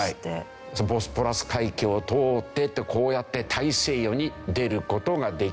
ボスポラス海峡を通ってこうやって大西洋に出る事ができるわけですね。